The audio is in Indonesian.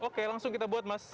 oke langsung kita buat mas